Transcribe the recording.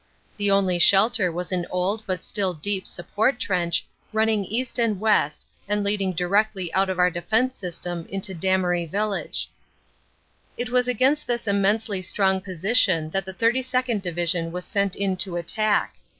The only shelter was an old but still deep support trench running east and west and leading directly out of our defense system into Damery village. OPERATIONS: AUG. 12 20 63 It was against this immensely strong position that the 32nd. Division was sent in to attack.